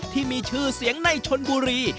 ที่มีชื่อเสียงในชนบุรี